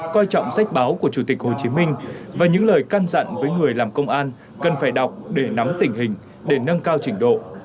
coi trọng sách báo của chủ tịch hồ chí minh và những lời can dặn với người làm công an cần phải đọc để nắm tình hình để nâng cao trình độ